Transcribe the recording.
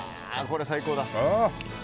これ最高だ。